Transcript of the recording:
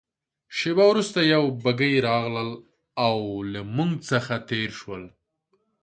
شېبه وروسته یوه بګۍ راغلل او له موږ څخه تېره شول.